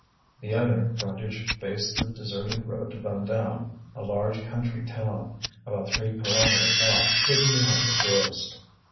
The other frontage faced the deserted road to Vandame, a large country town, about three kilometres off, hidden behind the forest.